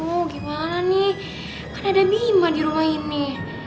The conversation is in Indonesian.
oh gimana nih kan ada mima di rumah ini